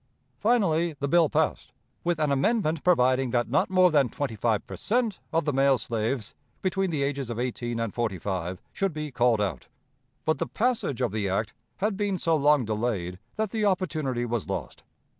Finally, the bill passed, with an amendment providing that not more than twenty five per cent. of the male slaves between the ages of eighteen and forty five should be called out. But the passage of the act had been so long delayed that the opportunity was lost.